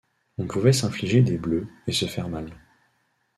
On pouvait s'infliger des bleus et se faire mal.